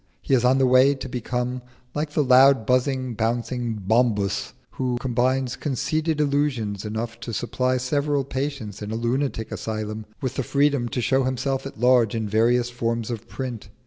He is on the way to become like the loud buzzing, bouncing Bombus who combines conceited illusions enough to supply several patients in a lunatic asylum with the freedom to show himself at large in various forms of print.